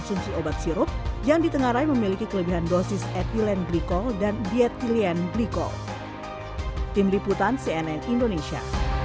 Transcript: ketika saya mengetahui kalau anak saya terancur saya minta kandilan untuk kementerian kesehatan bepom